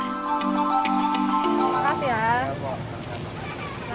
terima kasih ya